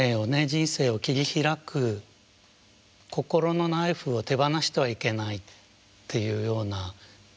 人生を切り開く心のナイフを手放してはいけないっていうような感覚があるのかな。